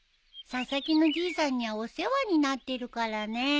佐々木のじいさんにはお世話になってるからね。